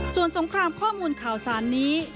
ส่วนสงครามข้อมูลข่าวสารนี้